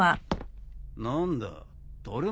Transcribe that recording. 何だ？